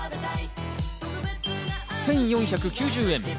１４９０円。